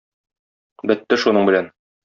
Бетте шуның белән.